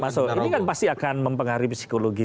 mas soekarno ini kan pasti akan mempengaruhi psikologi